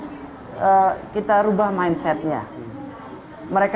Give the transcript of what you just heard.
rubah main main jadi kita mengubah doa untuk kepentingan korporasi menjadi doa untuk kepentingan mereka